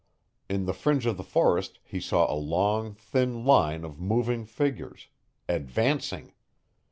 In the fringe of the forest he saw a long, thin line of moving figures ADVANCING.